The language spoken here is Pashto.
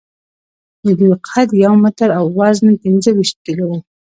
د دوی قد یو متر او وزن پینځهویشت کیلو و.